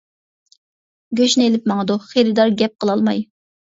گۆشنى ئېلىپ ماڭىدۇ، خېرىدار گەپ قىلالماي.